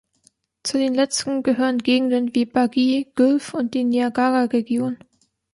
Zu den Letzteren gehören Gegenden wie Barrie, Guelph und die Niagara-Region.